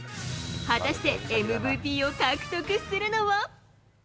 果たしてＭＶＰを獲得するのは？